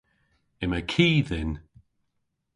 Yma ki dhyn.